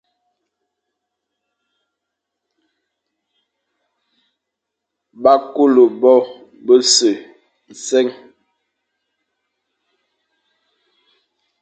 Ba kule bo bese nseñ,